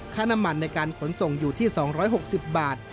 ค่าน้ำมันในการขนส่งอยู่ที่๒๖๐บาท